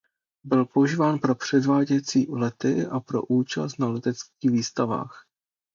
Byl používán pro předváděcí lety a pro účast na leteckých výstavách.